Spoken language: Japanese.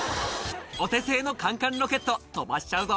「お手製の缶々ロケット飛ばしちゃうぞ」